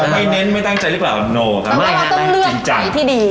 ไม่เน้นไม่ตั้งใจหรือเปล่าไม่ครับแต่ว่าเราต้องเลือกที่ดี